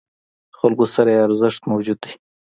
خلکو سره یې ارزښت موجود دی.